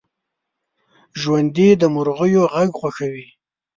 ژوندي د مرغیو غږ خوښوي